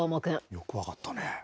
よく分かったね。